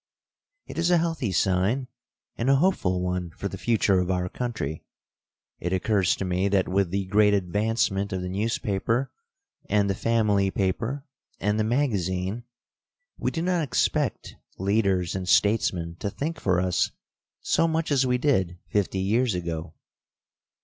It is a healthy sign and a hopeful one for the future of our country. It occurs to me that with the great advancement of the newspaper, and the family paper, and the magazine, we do not expect leaders and statesmen to think for us so much as we did fifty years ago.